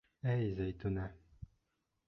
Эй, Зәйтүнә!